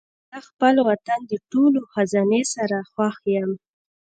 زه خپل وطن د ټولو خزانې سره خوښ یم.